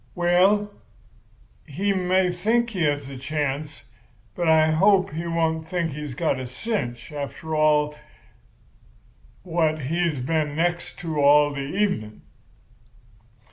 'Well, he may think he has a chance; but I hope he won't think he's got a cinch, after what he's been next to all the evening.